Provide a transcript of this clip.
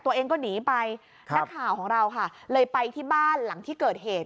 ตัวเองก็หนีไปนักข่าวของเราค่ะเลยไปที่บ้านหลังที่เกิดเหตุ